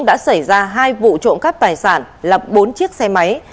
đã xảy ra hai vụ trộm cắp tài sản lập bốn chiếc xe máy